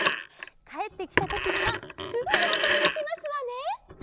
かえってきたときにはすぐにあそびにきますわね。